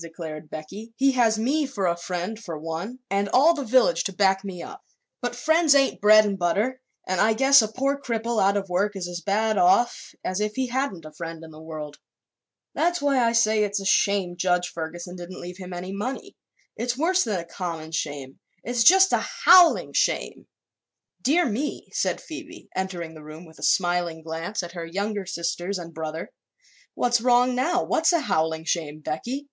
declared Becky. "He has me for a friend, for one, and all the village to back me up. But friends ain't bread an' butter and I guess a poor cripple out of work is as bad off as if he hadn't a friend in the world. That's why I say it's a shame Judge Ferguson didn't leave him any money. It's worse than a common shame it's just a howling shame!" "Dear me," said Phoebe, entering the room with a smiling glance at her younger sisters and brother, "what's wrong now? What's a howling shame, Becky?"